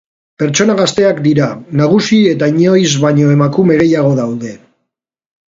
Pertsona gazteak dira nagusi eta inoiz baino emakume gehiago daude.